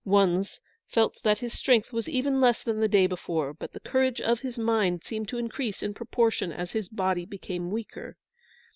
Wunzh felt that his strength was even less than the day before, but the courage of his mind seemed to increase in proportion as his body became weaker.